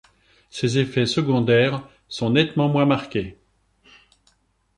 Ses effets secondaires sont nettement moins marqués.